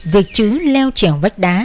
việc chứ leo trẻo vách đá